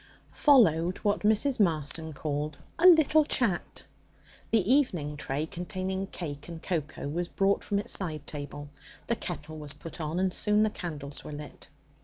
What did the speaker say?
Followed what Mrs. Marston called 'a little chat'; the evening tray, containing cake and cocoa, was brought from its side table; the kettle was put on, and soon the candles were lit.